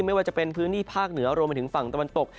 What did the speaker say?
ไม่ว่าจะเป็นพื้นที่ภาคเหนือรวมไปถึงฝั่งตะวันตก